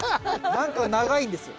何か長いんですよ。